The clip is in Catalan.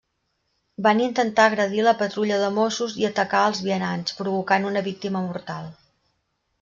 Van intentar agredir la patrulla de mossos i atacar els vianants, provocant una víctima mortal.